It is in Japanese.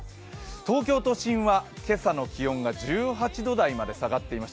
東京都心は今朝の気温が１８度台まで下がっています。